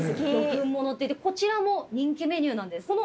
こちらも人気メニューなんです。